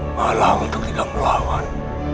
malah untuk tidak melawan